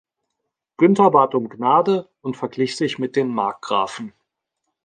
Günther bat um Gnade und verglich sich mit den Markgrafen.